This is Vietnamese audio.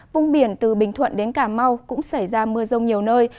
vùng biển từ bình thuận đến cà mau cũng xảy ra mưa rông nhiều nơi